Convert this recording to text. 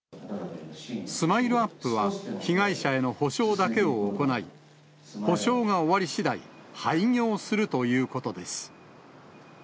スマイルアップは、被害者への補償だけを行い、補償が終わりしだい、廃業するということです。